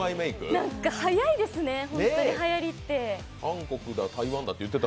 早いですね、本当にはやりって。